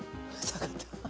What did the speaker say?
よかった。